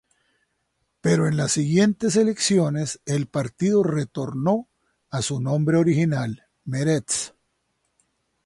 Pero en las siguientes elecciones el partido retornó a su nombre original "Meretz".